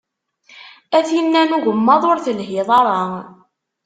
A tinn-a n ugemmaḍ, ur telhiḍ ara.